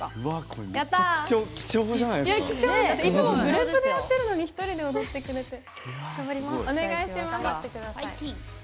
いつもグループでやっているのに１人で踊ってくれて。